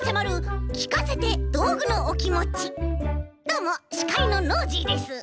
どうもしかいのノージーです。